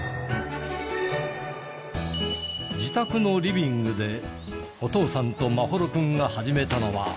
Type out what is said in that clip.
自宅のリビングでお父さんと眞秀君が始めたのは。